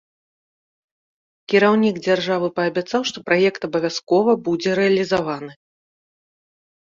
Кіраўнік дзяржавы паабяцаў, што праект абавязкова будзе рэалізаваны.